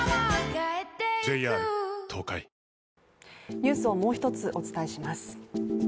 ニュースをもう１つお伝えします。